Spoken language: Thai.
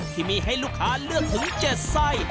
ที่มีให้ลูกค้าเลือกถึง๗ไส้